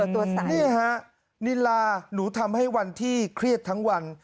นี่ฮะนิลาหนูทำให้วันที่เครียดทั้งวัน